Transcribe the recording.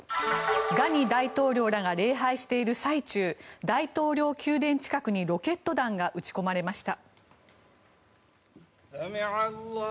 ガニ大統領らが礼拝している最中大統領宮殿近くにロケット弾が撃ち込まれました。